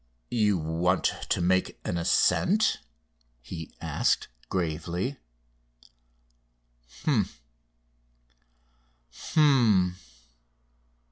"You want to make an ascent?" he asked gravely. "Hum! hum!